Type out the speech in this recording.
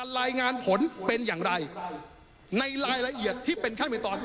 รายงานผลเป็นอย่างไรในรายละเอียดที่เป็นขั้นในตอน